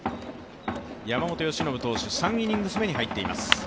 山本由伸投手、３イニング目に入っています。